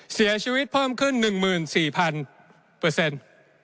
เสียชีวิตเพิ่มขึ้น๑๔๐๐๐เปอร์เซ็นต์